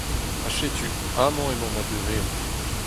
Ha setu, amañ emañ ma burev.